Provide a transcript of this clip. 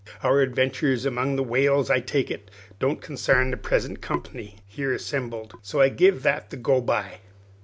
"Our adventures among the whales, I take it, doesn't consarn the present company here assembled. So I give that the go by.